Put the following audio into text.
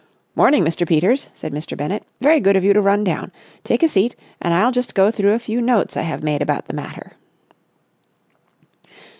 "Morning, Mr. Peters," said Mr. Bennett. "Very good of you to run down. Take a seat, and I'll just go through the few notes I have made about the matter."